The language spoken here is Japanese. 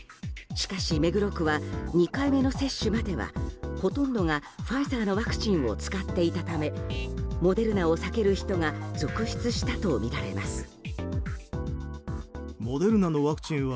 しかし目黒区は２回目の接種まではほとんどがファイザーのワクチンを使っていたためモデルナを避ける人が続出したとみられます。